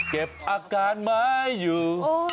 เก็บอาการไม้อยู่